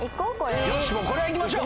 これはいきましょう。